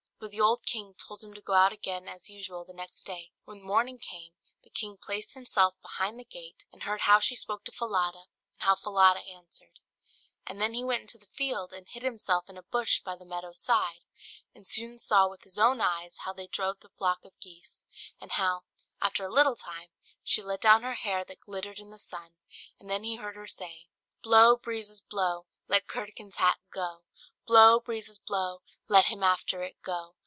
But the old king told him to go out again as usual the next day, and when morning came, the king placed himself behind the gate, and heard how she spoke to Falada, and how Falada answered; and then he went into the field and hid himself in a bush by the meadow's side, and soon saw with his own eyes how they drove the flock of geese, and how, after a little time, she let down her hair that glittered in the sun; and then he heard her say "Blow, breezes, blow! Let Curdken's hat go! Blow, breezes, blow! Let him after it go!